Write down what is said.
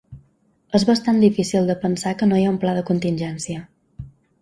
És bastant difícil de pensar que no hi ha un pla de contingència.